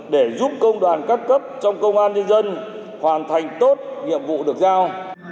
để giúp công đoàn các cấp trong công an nhân dân hoàn thành tốt nhiệm vụ được giao